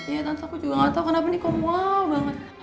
ya tante aku juga gak tau kenapa nih kau wow banget